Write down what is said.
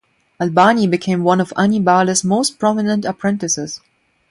Albani became one of Annibale's most prominent apprentices.